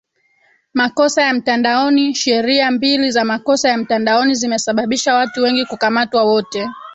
makosa ya mtandaoniSheria mbili za makosa ya mtandaoni zimesababisha watu wengi kukamatwa Wote